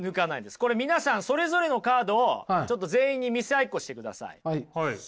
これ皆さんそれぞれのカードをちょっと全員に見せ合いっこしてください。